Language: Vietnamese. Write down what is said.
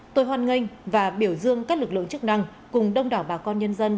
hoan nghênh và biểu dương các lực lượng chức năng cùng đông đảo bà con nhân dân